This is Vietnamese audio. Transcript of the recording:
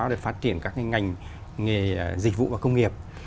để phát triển các ngành nghề dịch vụ và công nghiệp